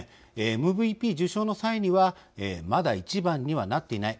ＭＶＰ受賞の際には「まだ１番にはなっていない。